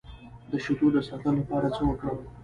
د شیدو د ساتلو لپاره څه وکړم؟